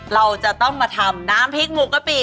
เราจะต้องมาทำน้ำพริกหมูกะปิ